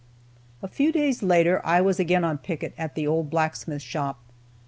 A few days later I was again on picket at the old blacksmith shop.